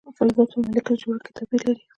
فلزات په مالیکولي جوړښت کې توپیر لري.